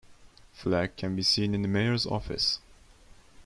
The flag can be seen in the mayor's office.